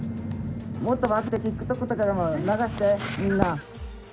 もっと回して、ＴｉｋＴｏｋとかでも流して、みんな。